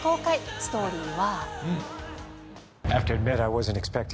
ストーリーは。